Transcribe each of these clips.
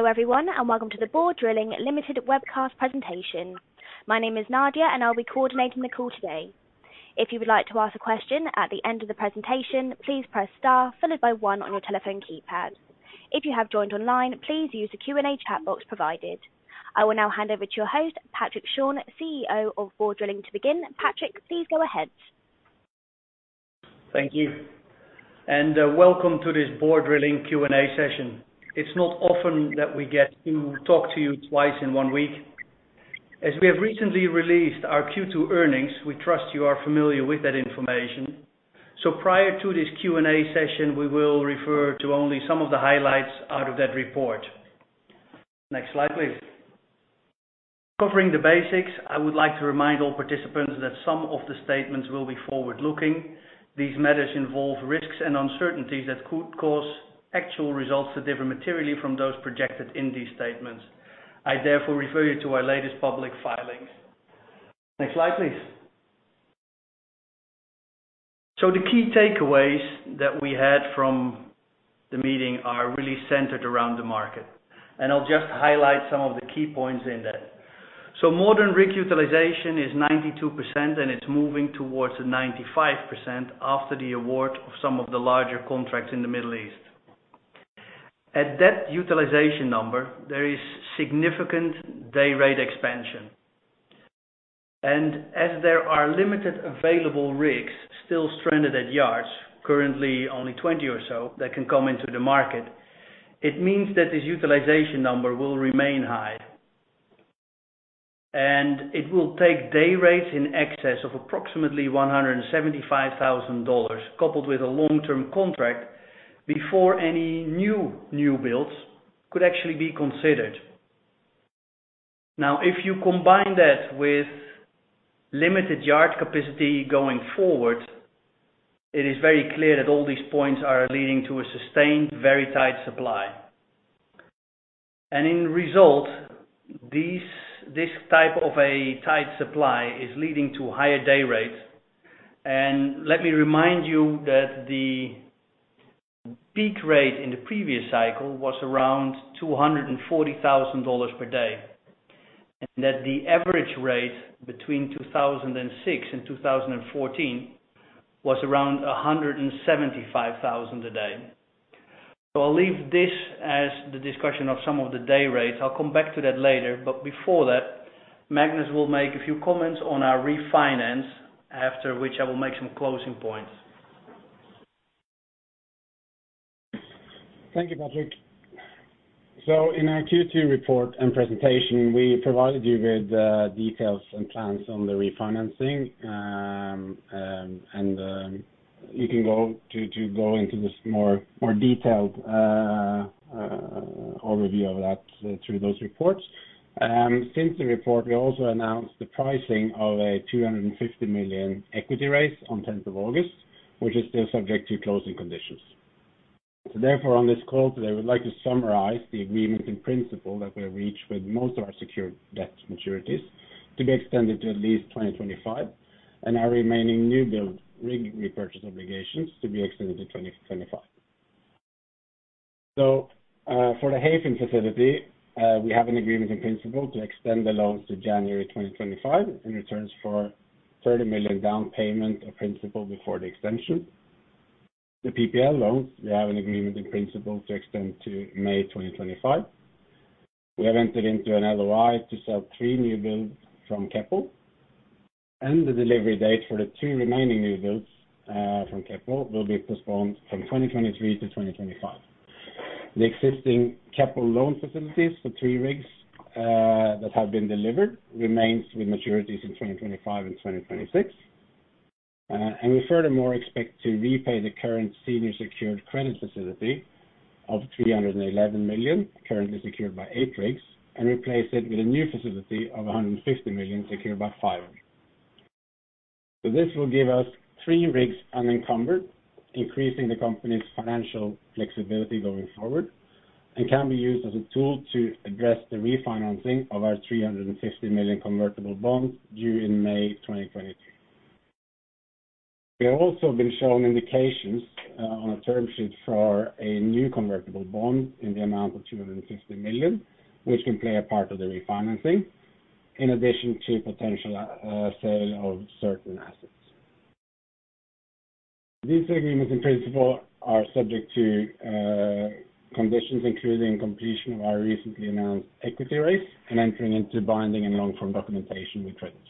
Hello, everyone, and welcome to the Borr Drilling Limited webcast presentation. My name is Nadia, and I'll be coordinating the call today. If you would like to ask a question at the end of the presentation, please press star followed by one on your telephone keypad. If you have joined online, please use the Q&A chat box provided. I will now hand over to your host, Patrick Schorn, CEO of Borr Drilling to begin. Patrick, please go ahead. Thank you. Welcome to this Borr Drilling Q&A session. It's not often that we get to talk to you twice in one week. As we have recently released our Q2 earnings, we trust you are familiar with that information. Prior to this Q&A session, we will refer to only some of the highlights out of that report. Next slide, please. Covering the basics, I would like to remind all participants that some of the statements will be forward-looking. These matters involve risks and uncertainties that could cause actual results to differ materially from those projected in these statements. I therefore refer you to our latest public filings. Next slide, please. The key takeaways that we had from the meeting are really centered around the market, and I'll just highlight some of the key points in that. Modern rig utilization is 92%, and it's moving towards a 95% after the award of some of the larger contracts in the Middle East. At that utilization number, there is significant day rate expansion. As there are limited available rigs still stranded at yards, currently only 20 or so that can come into the market, it means that this utilization number will remain high. It will take day rates in excess of approximately $175,000, coupled with a long-term contract before any new builds could actually be considered. Now, if you combine that with limited yard capacity going forward, it is very clear that all these points are leading to a sustained, very tight supply. As a result, this type of a tight supply is leading to higher day rates. Let me remind you that the peak rate in the previous cycle was around $240,000 per day, and that the average rate between 2006 and 2014 was around $175,000 a day. I'll leave this as the discussion of some of the day rates. I'll come back to that later. Before that, Magnus will make a few comments on our refinance, after which I will make some closing points. Thank you, Patrick. In our Q2 report and presentation, we provided you with details and plans on the refinancing, and you can go into this more detailed overview of that through those reports. Since the report, we also announced the pricing of a $250 million equity raise on tenth of August, which is still subject to closing conditions. On this call today, we'd like to summarize the agreement in principle that we have reached with most of our secured debt maturities to be extended to at least 2025, and our remaining new build rig repurchase obligations to be extended to 2025. For the Hayfin facility, we have an agreement in principle to extend the loans to January 2025 in return for $30 million down payment of principal before the extension. The PPL loans, we have an agreement in principle to extend to May 2025. We have entered into an LOI to sell three new builds from Keppel, and the delivery date for the two remaining new builds from Keppel will be postponed from 2023 to 2025. The existing Keppel loan facilities for three rigs that have been delivered remains with maturities in 2025 and 2026. We furthermore expect to repay the current senior secured credit facility of $311 million, currently secured by eight rigs, and replace it with a new facility of $150 million secured by five. This will give us three rigs unencumbered, increasing the company's financial flexibility going forward, and can be used as a tool to address the refinancing of our $350 million convertible bonds due in May 2022. We have also been shown indications on a term sheet for a new convertible bond in the amount of $250 million, which can play a part of the refinancing, in addition to potential sale of certain assets. These agreements, in principle, are subject to conditions including completion of our recently announced equity raise and entering into binding and long-term documentation with creditors.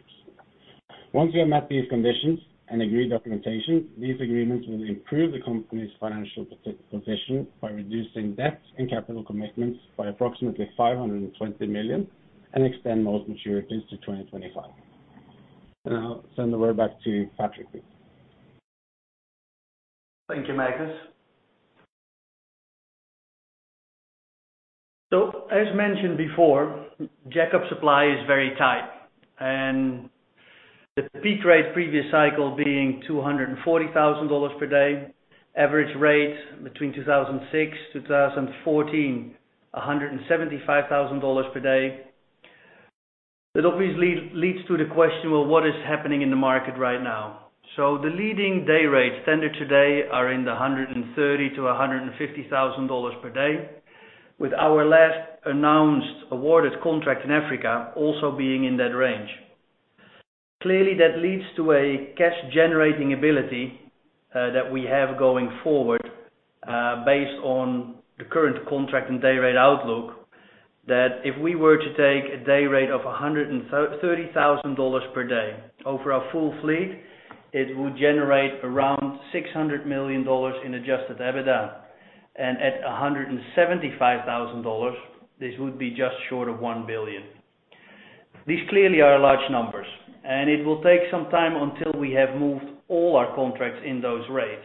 Once we have met these conditions and agreed documentation, these agreements will improve the company's financial position by reducing debts and capital commitments by approximately $520 million and extend most maturities to 2025. I'll send the word back to Patrick, please. Thank you, Magnus. As mentioned before, jackup supply is very tight, and the peak rate previous cycle being $240,000 per day, average rate between 2006, 2014, $175,000 per day. That obviously leads to the question, well, what is happening in the market right now? The leading day rates stand today are in the $130,000-$150,000 per day, with our last announced awarded contract in Africa also being in that range. Clearly, that leads to a cash generating ability, that we have going forward, based on the current contract and day rate outlook, that if we were to take a day rate of $130,000 per day over our full fleet, it would generate around $600 million in Adjusted EBITDA. At $175,000, this would be just short of $1 billion. These clearly are large numbers, and it will take some time until we have moved all our contracts in those rates.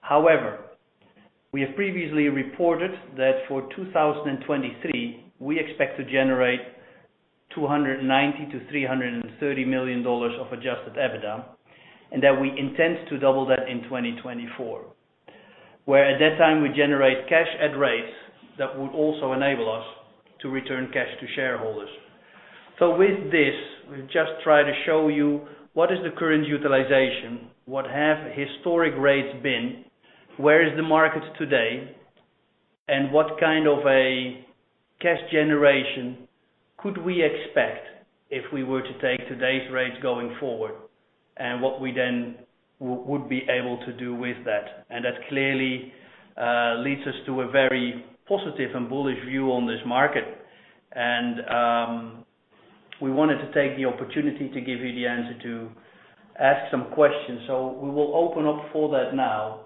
However, we have previously reported that for 2023, we expect to generate $290 million-$330 million of adjusted EBITDA, and that we intend to double that in 2024, where at that time, we generate cash at rates that would also enable us to return cash to shareholders. With this, we just try to show you what is the current utilization, what have historic rates been, where is the market today, and what kind of a cash generation could we expect if we were to take today's rates going forward and what we then would be able to do with that. That clearly leads us to a very positive and bullish view on this market. We wanted to take the opportunity to give you a chance to ask some questions. We will open up for that now.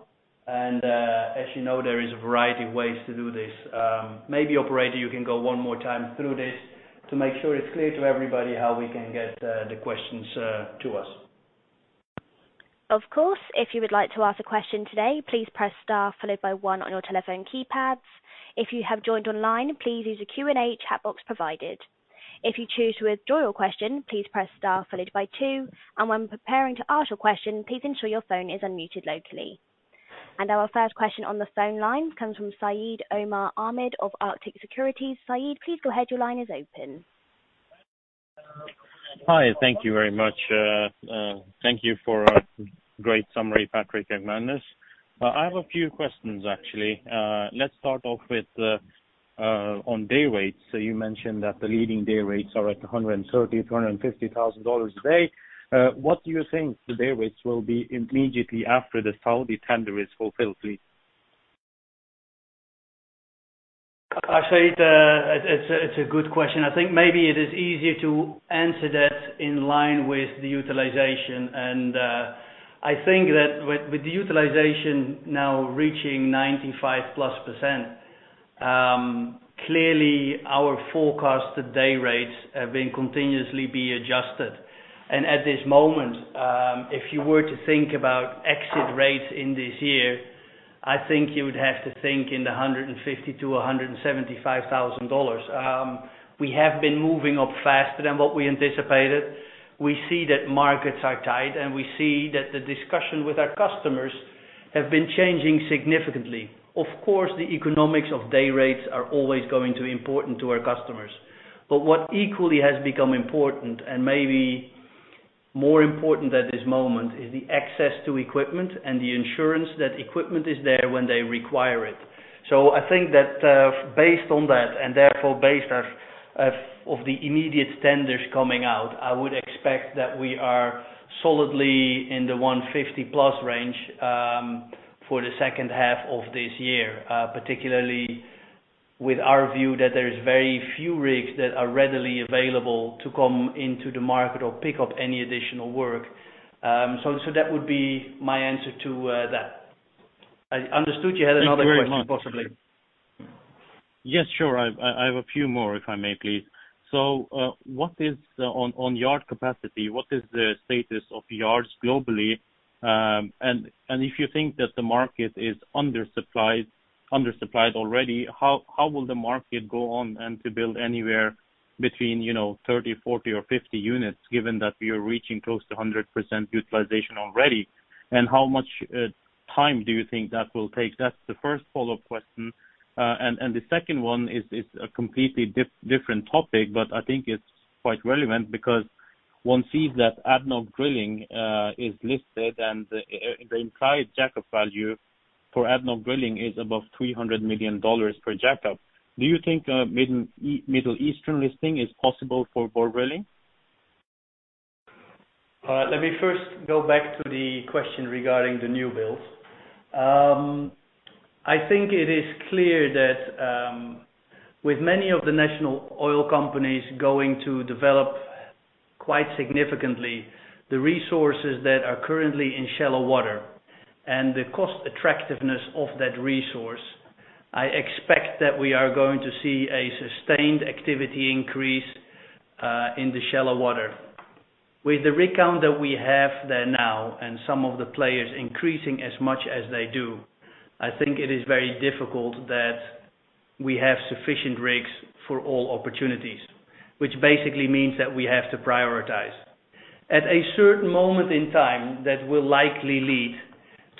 As you know, there is a variety of ways to do this. Maybe operator, you can go one more time through this to make sure it's clear to everybody how we can get the questions to us. Of course. If you would like to ask a question today, please press Star followed by one on your telephone keypads. If you have joined online, please use the Q&A chat box provided. If you choose to withdraw your question, please press Star followed by two. When preparing to ask your question, please ensure your phone is unmuted locally. Our first question on the phone line comes from Saeed Omar Ahmed of Arctic Securities. Saeed, please go ahead. Your line is open. Hi, thank you very much. Thank you for a great summary, Patrick and Magnus. I have a few questions actually. Let's start off on day rates. You mentioned that the leading day rates are at $130,000-$150,000 a day. What do you think the day rates will be immediately after the Saudi tender is fulfilled, please? Saeed, it's a good question. I think maybe it is easier to answer that in line with the utilization. I think that with the utilization now reaching 95%+, clearly our forecasted day rates have been continuously being adjusted. At this moment, if you were to think about exit rates in this year, I think you would have to think in the $150,000-$175,000. We have been moving up faster than what we anticipated. We see that markets are tight, and we see that the discussion with our customers have been changing significantly. Of course, the economics of day rates are always going to be important to our customers. What equally has become important and maybe more important at this moment is the access to equipment and the insurance that equipment is there when they require it. I think that, based on that, and therefore based on the immediate tenders coming out, I would expect that we are solidly in the $150+ range, for the second half of this year, particularly with our view that there is very few rigs that are readily available to come into the market or pick up any additional work. That would be my answer to that. I understood you had another question, possibly. Thank you very much. Yes, sure. I have a few more, if I may, please. What is on yard capacity, what is the status of yards globally? If you think that the market is undersupplied already, how will the market be able to build anywhere between 30, 40 or 50 units, given that we are reaching close to 100% utilization already? How much time do you think that will take? That's the first follow-up question. The second one is a completely different topic, but I think it's quite relevant because one sees that ADNOC Drilling is listed and the implied jackup value for ADNOC Drilling is above $300 million per jackup. Do you think a Middle Eastern listing is possible for drilling? Let me first go back to the question regarding the new builds. I think it is clear that with many of the national oil companies going to develop quite significantly the resources that are currently in shallow water and the cost attractiveness of that resource, I expect that we are going to see a sustained activity increase in the shallow water. With the rig count that we have there now and some of the players increasing as much as they do, I think it is very difficult that we have sufficient rigs for all opportunities, which basically means that we have to prioritize. At a certain moment in time that will likely lead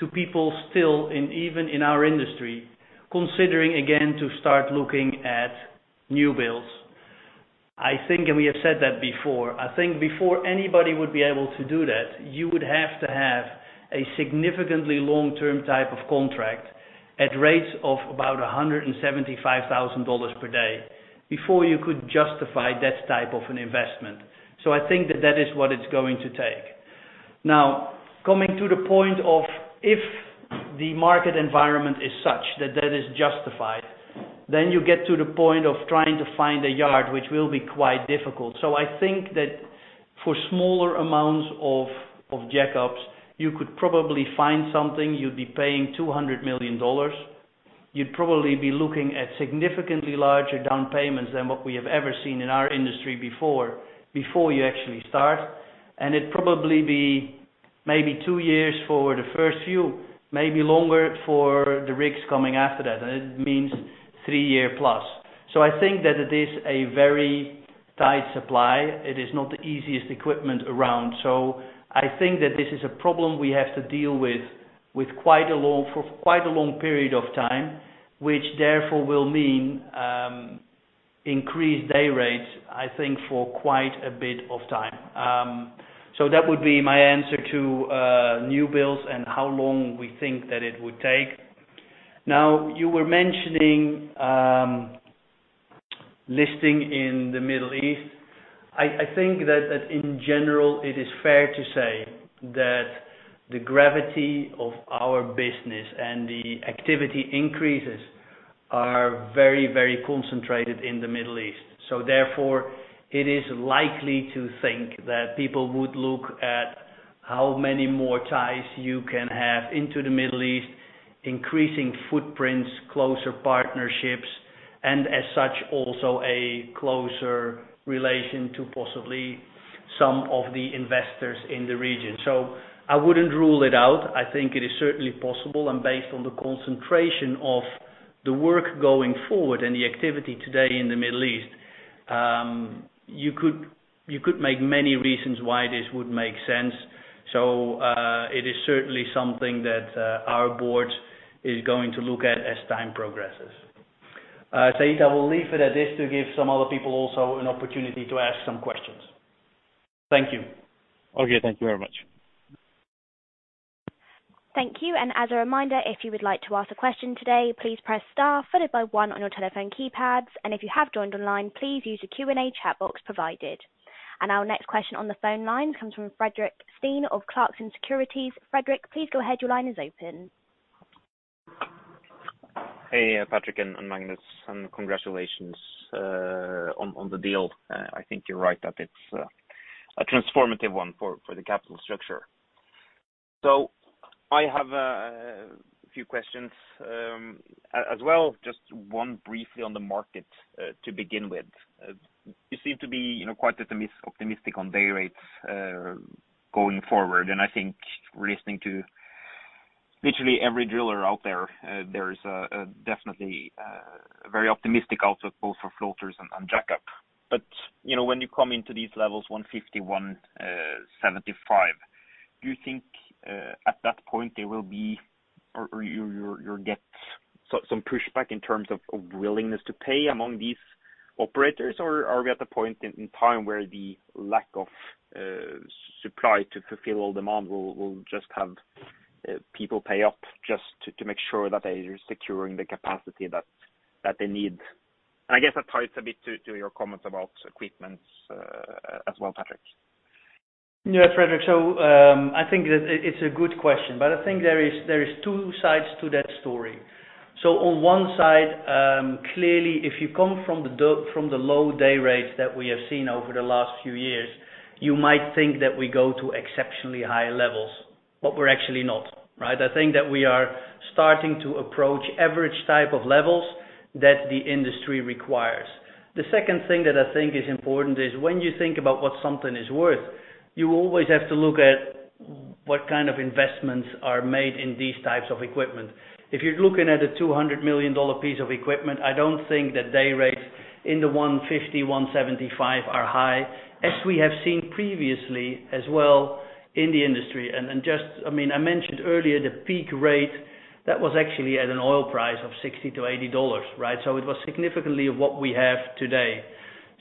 to people still, and even in our industry, considering again to start looking at new builds. I think, and we have said that before, I think before anybody would be able to do that, you would have to have a significantly long-term type of contract at rates of about $175,000 per day before you could justify that type of an investment. I think that that is what it's going to take. Now, coming to the point of if the market environment is such that that is justified, then you get to the point of trying to find a yard, which will be quite difficult. I think that for smaller amounts of jackups, you could probably find something. You'd be paying $200 million. You'd probably be looking at significantly larger down payments than what we have ever seen in our industry before you actually start. It'd probably be maybe two years for the first few, maybe longer for the rigs coming after that. It means three year plus. I think that it is a very tight supply. It is not the easiest equipment around. I think that this is a problem we have to deal with for quite a long period of time, which therefore will mean increased day rates, I think, for quite a bit of time. That would be my answer to new builds and how long we think that it would take. You were mentioning listing in the Middle East. I think that in general it is fair to say that the gravity of our business and the activity increases are very, very concentrated in the Middle East. Therefore, it is likely to think that people would look at how many more ties you can have into the Middle East, increasing footprints, closer partnerships, and as such, also a closer relation to possibly some of the investors in the region. I wouldn't rule it out. I think it is certainly possible and based on the concentration of the work going forward and the activity today in the Middle East, you could make many reasons why this would make sense. It is certainly something that our board is going to look at as time progresses. Saeed, I will leave it at this to give some other people also an opportunity to ask some questions. Thank you. Okay. Thank you very much. Thank you. As a reminder, if you would like to ask a question today, please press star followed by one on your telephone keypads. If you have joined online, please use the Q&A chat box provided. Our next question on the phone line comes from Fredrik Steen of Clarksons Securities. Frederick, please go ahead. Your line is open. Hey, Patrick and Magnus, and congratulations on the deal. I think you're right that it's a transformative one for the capital structure. I have a few questions as well, just one briefly on the market to begin with. You seem to be, you know, quite optimistic on day rates going forward. I think listening to literally every driller out there is definitely very optimistic outlook both for floaters and jackup. You know, when you come into these levels $150, $175, do you think at that point there will be or you'll get some pushback in terms of willingness to pay among these operators? Are we at the point in time where the lack of supply to fulfill all demand will just have people pay up just to make sure that they are securing the capacity that they need? I guess that ties a bit to your comments about equipment, as well, Patrick. Yeah, Frederick. I think it's a good question, but I think there is two sides to that story. On one side, clearly, if you come from the low day rates that we have seen over the last few years, you might think that we go to exceptionally high levels, but we're actually not, right? I think that we are starting to approach average type of levels that the industry requires. The second thing that I think is important is when you think about what something is worth, you always have to look at what kind of investments are made in these types of equipment. If you're looking at a $200 million piece of equipment, I don't think that day rates in the $150-$175 are high, as we have seen previously as well in the industry. I mean, I mentioned earlier the peak rate that was actually at an oil price of $60-$80, right? It was significantly lower than what we have today.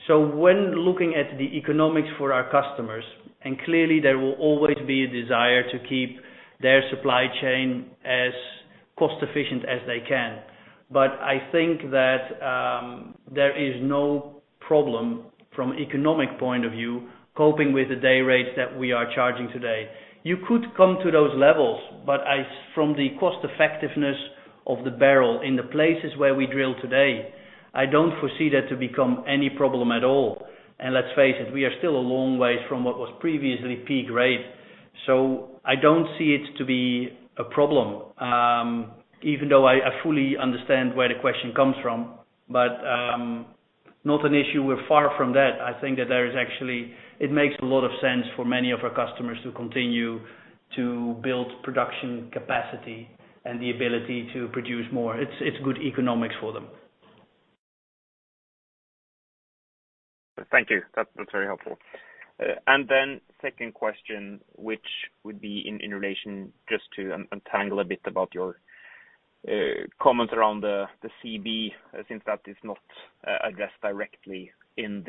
When looking at the economics for our customers, and clearly there will always be a desire to keep their supply chain as cost efficient as they can. I think that, there is no problem from economic point of view, coping with the day rates that we are charging today. You could come to those levels, but from the cost effectiveness of the barrel in the places where we drill today, I don't foresee that to become any problem at all. Let's face it, we are still a long way from what was previously peak rate. I don't see it to be a problem, even though I fully understand where the question comes from, but not an issue. We're far from that. I think that there is actually it makes a lot of sense for many of our customers to continue to build production capacity and the ability to produce more. It's good economics for them. Thank you. That's very helpful. Second question, which would be in relation just to untangle a bit about your comment around the CB, since that is not addressed directly in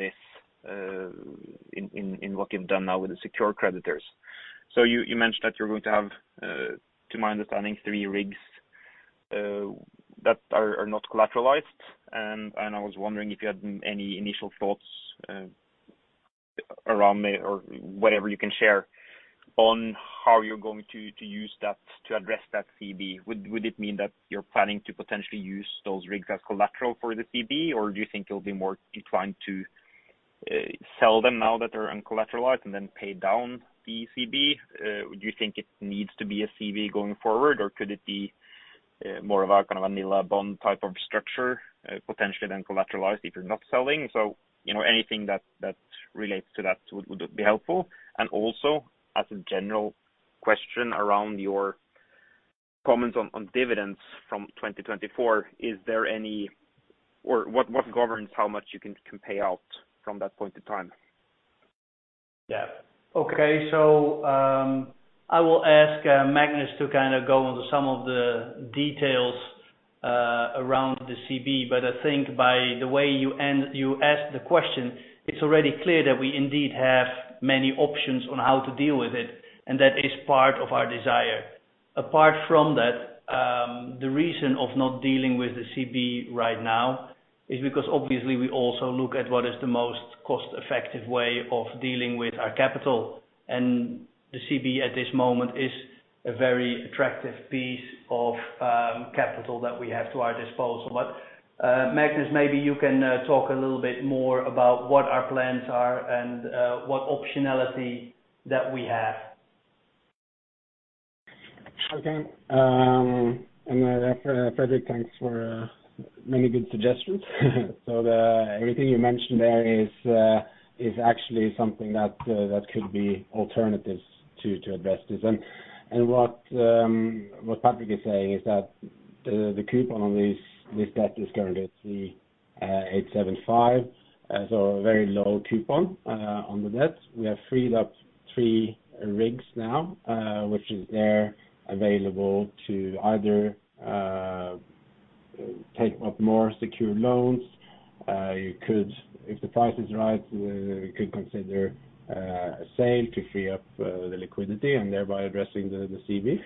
what you've done now with the secured creditors. You mentioned that you're going to have, to my understanding, 3 rigs that are not collateralized. I was wondering if you had any initial thoughts around there or whatever you can share on how you're going to use that to address that CB. Would it mean that you're planning to potentially use those rigs as collateral for the CB? Or do you think you'll be more inclined to sell them now that they're uncollateralized and then pay down the CB? Do you think it needs to be a CB going forward, or could it be more of a kind of vanilla bond type of structure potentially then collateralized if you're not selling? You know, anything that relates to that would be helpful. Also as a general question around your comments on dividends from 2024, is there any or what governs how much you can pay out from that point in time? Yeah. Okay. I will ask Magnus to kinda go into some of the details around the CB. I think by the way you end, you ask the question, it's already clear that we indeed have many options on how to deal with it, and that is part of our desire. Apart from that, the reason of not dealing with the CB right now is because obviously we also look at what is the most cost-effective way of dealing with our capital. The CB at this moment is a very attractive piece of capital that we have at our disposal. Magnus, maybe you can talk a little bit more about what our plans are and what optionality that we have. Okay. Frederick, thanks for many good suggestions. Everything you mentioned there is actually something that could be alternatives to address this. What Patrick is saying is that the coupon on this debt is currently at 3.875. A very low coupon on the debt. We have freed up three rigs now, which are available to either take up more secure loans. You could, if the price is right, consider a sale to free up the liquidity and thereby addressing the CB.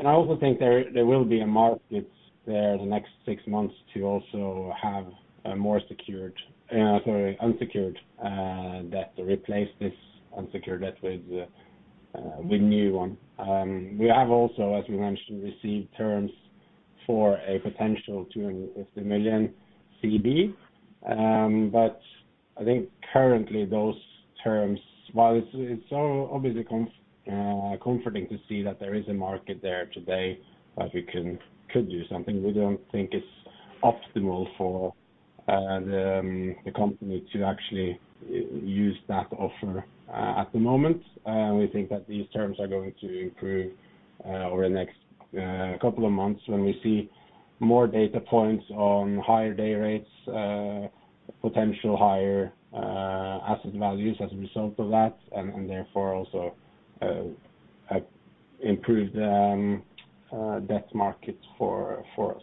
I also think there will be a market there the next 6 months to also have a more secured, sorry, unsecured, debt to replace this unsecured debt with new one. We have also, as we mentioned, received terms for a potential $250 million CB. But I think currently those terms, while it's so obviously comforting to see that there is a market there today that we could do something, we don't think it's optimal for the company to actually use that offer at the moment. We think that these terms are going to improve over the next couple of months when we see more data points on higher day rates, potential higher asset values as a result of that, and therefore also an improved debt market for us.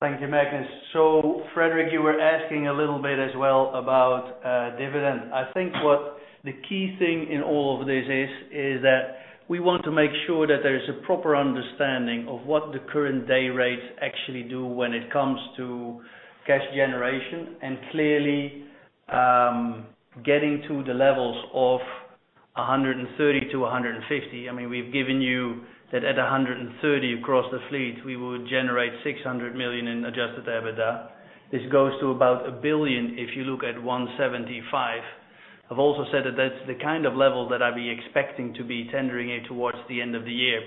Thank you, Magnus. Frederick, you were asking a little bit as well about dividend. I think what the key thing in all of this is that we want to make sure that there is a proper understanding of what the current day rates actually do when it comes to cash generation and clearly getting to the levels of 130-150. I mean, we've given you that at 130 across the fleet, we would generate $600 million in adjusted EBITDA. This goes to about $1 billion if you look at 175. I've also said that that's the kind of level that I'd be expecting to be tendering it towards the end of the year.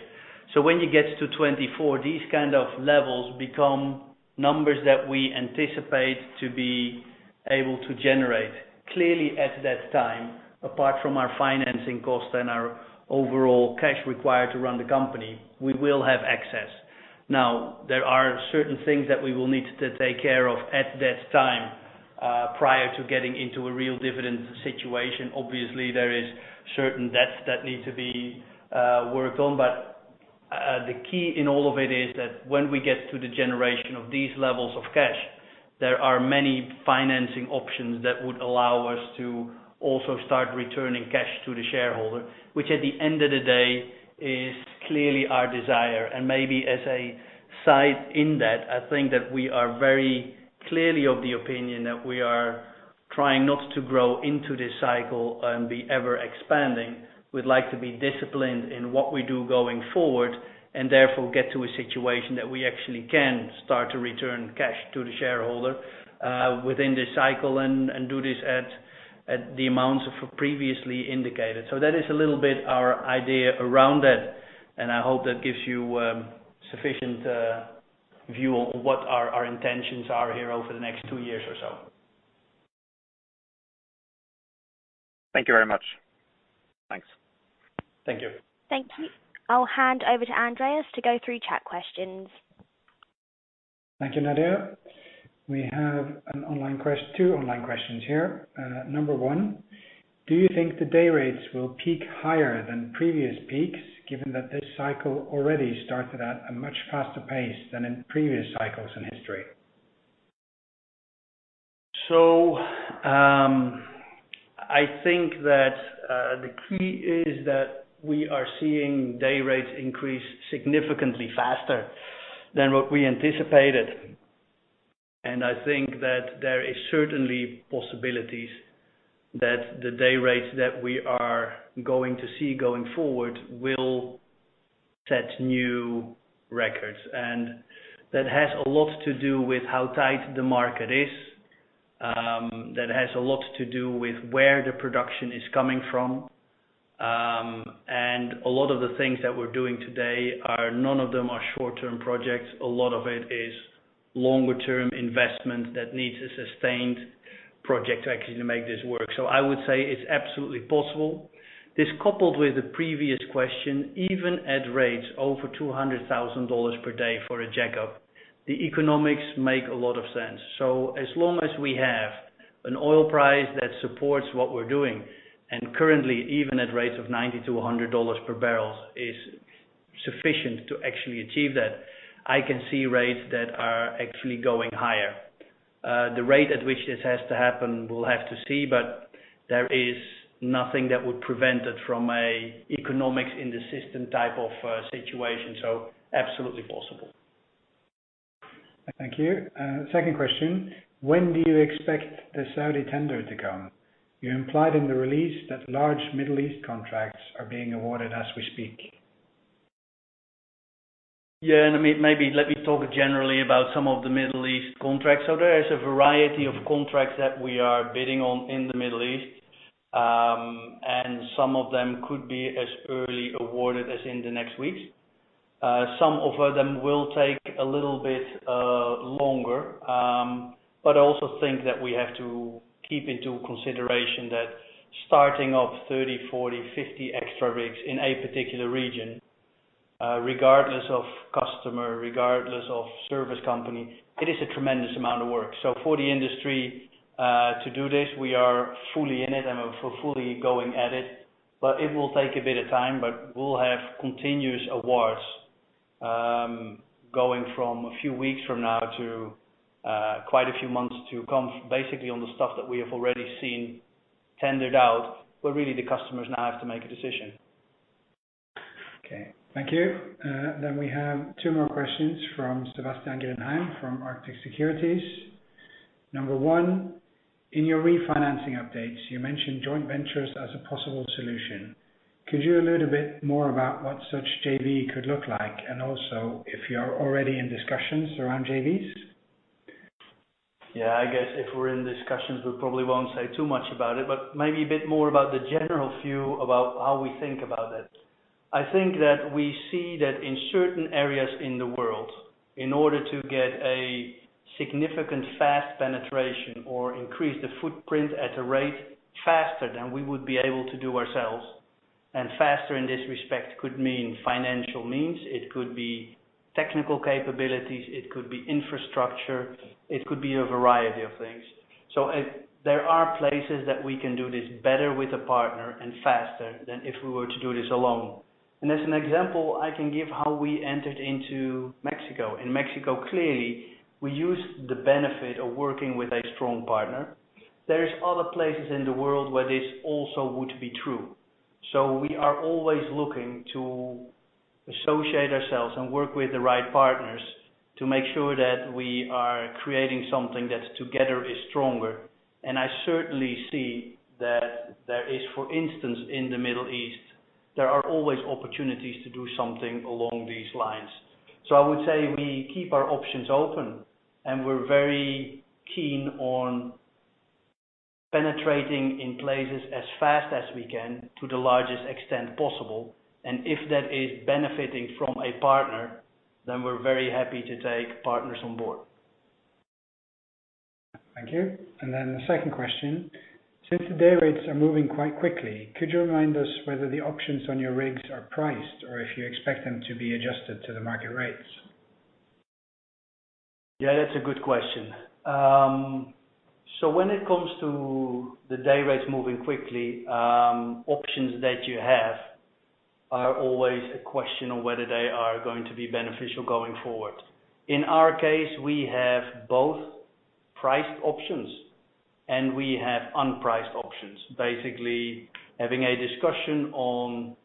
When you get to 2024, these kind of levels become numbers that we anticipate to be able to generate. Clearly at that time, apart from our financing cost and our overall cash required to run the company, we will have access. Now, there are certain things that we will need to take care of at that time, prior to getting into a real dividend situation. Obviously, there is certain debts that need to be worked on, but the key in all of it is that when we get to the generation of these levels of cash, there are many financing options that would allow us to also start returning cash to the shareholder, which at the end of the day, is clearly our desire. Maybe as a side in that, I think that we are very clearly of the opinion that we are trying not to grow into this cycle and be ever-expanding. We'd like to be disciplined in what we do going forward, and therefore get to a situation that we actually can start to return cash to the shareholder within this cycle and do this at the amounts of previously indicated. That is a little bit our idea around that, and I hope that gives you sufficient view on what our intentions are here over the next two years or so. Thank you very much. Thanks. Thank you. Thank you. I'll hand over to Andreas to go through chat questions. Thank you, Nadia. We have two online questions here. Number 1, do you think the day rates will peak higher than previous peaks, given that this cycle already started at a much faster pace than in previous cycles in history? I think that the key is that we are seeing day rates increase significantly faster than what we anticipated. I think that there is certainly possibilities that the day rates that we are going to see going forward will set new records. That has a lot to do with how tight the market is. That has a lot to do with where the production is coming from. A lot of the things that we're doing today are none of them short-term projects. A lot of it is longer term investment that needs a sustained project to actually make this work. I would say it's absolutely possible. This coupled with the previous question, even at rates over $200,000 per day for a jackup, the economics make a lot of sense. As long as we have an oil price that supports what we're doing, and currently even at rates of $90-$100 per barrel is sufficient to actually achieve that, I can see rates that are actually going higher. The rate at which this has to happen, we'll have to see, but there is nothing that would prevent it from an economics in the system type of situation. Absolutely possible. Thank you. Second question, when do you expect the Saudi tender to come? You implied in the release that large Middle East contracts are being awarded as we speak. Yeah. Maybe let me talk generally about some of the Middle East contracts. There is a variety of contracts that we are bidding on in the Middle East. Some of them could be as early awarded as in the next weeks. Some of them will take a little bit longer. I also think that we have to keep into consideration that starting off 30, 40, 50 extra rigs in a particular region, regardless of customer, regardless of service company, it is a tremendous amount of work. For the industry to do this, we are fully in it and fully going at it. It will take a bit of time, but we'll have continuous awards, going from a few weeks from now to quite a few months to come. Basically, on the stuff that we have already seen tendered out, but really the customers now have to make a decision. Okay. Thank you. We have two more questions from Sebastian Gyllenhammar, from Arctic Securities. Number one, in your refinancing updates, you mentioned joint ventures as a possible solution. Could you allude a bit more about what such JV could look like, and also if you're already in discussions around JVs? Yeah, I guess if we're in discussions, we probably won't say too much about it, but maybe a bit more about the general view about how we think about it. I think that we see that in certain areas in the world, in order to get a significant fast penetration or increase the footprint at a rate faster than we would be able to do ourselves, and faster in this respect could mean financial means, it could be technical capabilities, it could be infrastructure, it could be a variety of things. So there are places that we can do this better with a partner and faster than if we were to do this alone. As an example, I can give how we entered into Mexico. In Mexico, clearly, we used the benefit of working with a strong partner. There is other places in the world where this also would be true. We are always looking to associate ourselves and work with the right partners to make sure that we are creating something that together is stronger. I certainly see that there is, for instance, in the Middle East, there are always opportunities to do something along these lines. I would say we keep our options open, and we're very keen on penetrating in places as fast as we can to the largest extent possible. If that is benefiting from a partner, then we're very happy to take partners on board. Thank you. The second question, since the day rates are moving quite quickly, could you remind us whether the options on your rigs are priced or if you expect them to be adjusted to the market rates? Yeah, that's a good question. When it comes to the day rates moving quickly, options that you have are always a question of whether they are going to be beneficial going forward. In our case, we have both priced options, and we have unpriced options. Basically, having a discussion on,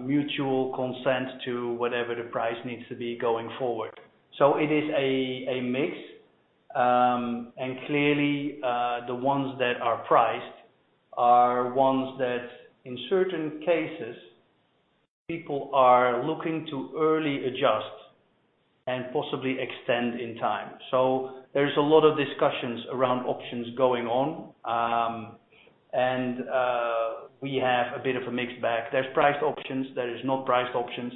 mutual consent to whatever the price needs to be going forward. It is a mix, and clearly, the ones that are priced are ones that in certain cases, people are looking to early adjust and possibly extend in time. There's a lot of discussions around options going on, and we have a bit of a mixed bag. There's priced options, there is not priced options,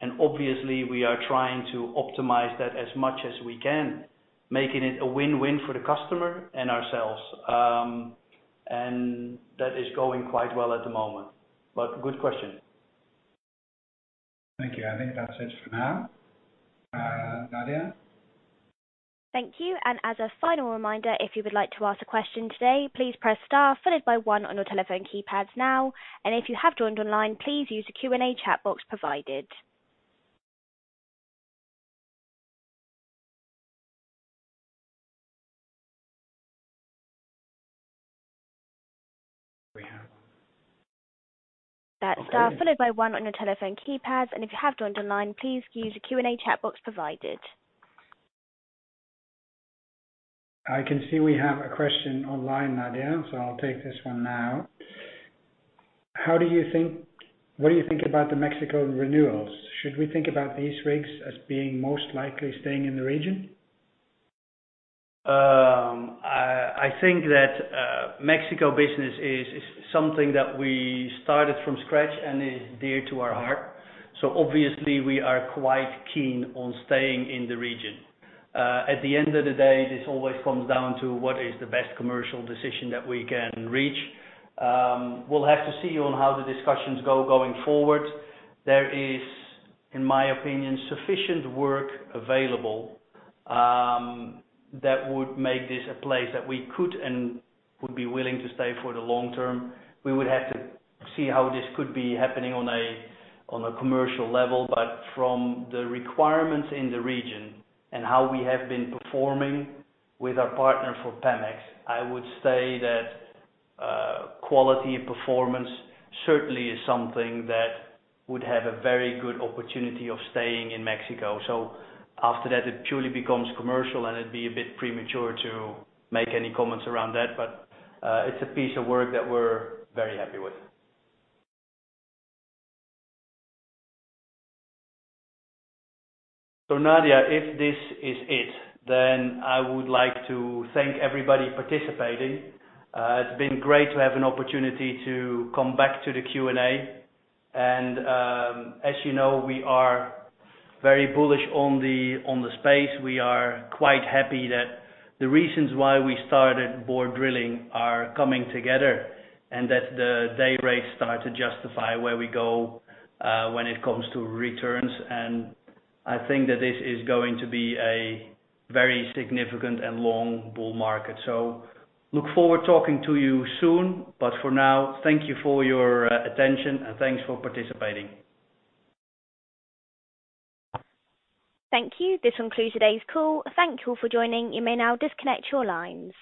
and obviously we are trying to optimize that as much as we can, making it a win-win for the customer and ourselves. That is going quite well at the moment. Good question. Thank you. I think that's it for now. Nadia? Thank you. As a final reminder, if you would like to ask a question today, please press star followed by one on your telephone keypads now. If you have joined online, please use the Q&A chat box provided. That's star followed by one on your telephone keypads, if you have joined online, please use the Q&A chat box provided. I can see we have a question online, Nadia, so I'll take this one now. What do you think about the Mexico renewals? Should we think about these rigs as being most likely staying in the region? I think that Mexico business is something that we started from scratch and is dear to our heart. Obviously we are quite keen on staying in the region. At the end of the day, this always comes down to what is the best commercial decision that we can reach. We'll have to see on how the discussions go forward. There is, in my opinion, sufficient work available that would make this a place that we could and would be willing to stay for the long term. We would have to see how this could be happening on a commercial level. From the requirements in the region and how we have been performing with our partner for Pemex, I would say that quality of performance certainly is something that would have a very good opportunity of staying in Mexico. After that, it purely becomes commercial, and it'd be a bit premature to make any comments around that. It's a piece of work that we're very happy with. Nadia, if this is it, then I would like to thank everybody participating. It's been great to have an opportunity to come back to the Q&A. As you know, we are very bullish on the space. We are quite happy that the reasons why we started Borr Drilling are coming together and that the day rates start to justify where we go when it comes to returns. I think that this is going to be a very significant and long bull market. Look forward talking to you soon. For now, thank you for your attention and thanks for participating. Thank you. This will conclude today's call. Thank you all for joining. You may now disconnect your lines.